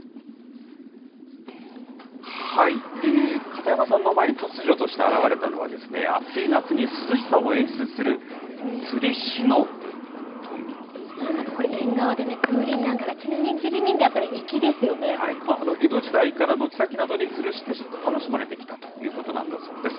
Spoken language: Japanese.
片山さんの前に、突如として現れたのは、暑い夏に涼しさを演出する、なんだかこれ、縁側で風鈴なんかがちりりん、ちりりんって鳴ると、江戸時代から軒先などにつるして楽しまれてきたということなんだそうです。